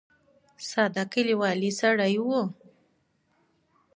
ساده کلیوالي سړی و.